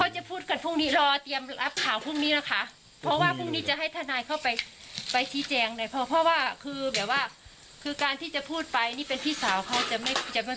จะพูดกันพรุ่งนี้รอเตรียมรับข่าวพรุ่งนี้นะคะเพราะว่าพรุ่งนี้จะให้ทนายเข้าไปไปชี้แจงเลยเพราะว่าคือแบบว่าคือการที่จะพูดไปนี่เป็นพี่สาวเขาจะไม่จะมา